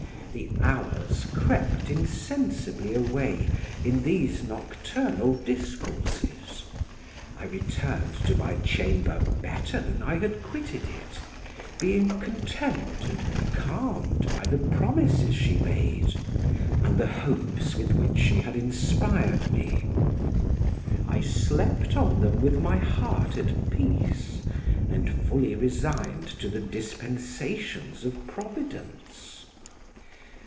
The hours crept insensibly away in these nocturnal discourses; I returned to my chamber better than I had quitted it, being content and calmed by the promises she made, and the hopes with which she had inspired me: I slept on them with my heart at peace, and fully resigned to the dispensations of Providence.